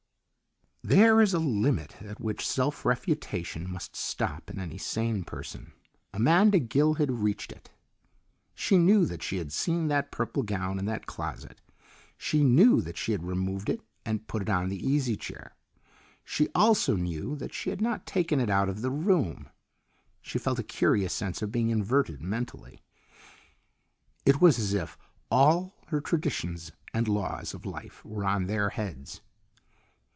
There is a limit at which self refutation must stop in any sane person. Amanda Gill had reached it. She knew that she had seen that purple gown in that closet; she knew that she had removed it and put it on the easy chair. She also knew that she had not taken it out of the room. She felt a curious sense of being inverted mentally. It was as if all her traditions and laws of life were on their heads.